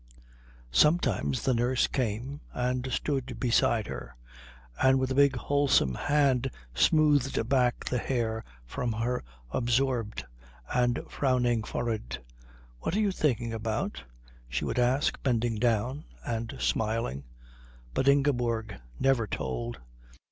Sometimes the nurse came and stood beside her, and with a big wholesome hand smoothed back the hair from her absorbed and frowning forehead. "What are you thinking about?" she would ask, bending down and smiling. But Ingeborg never told.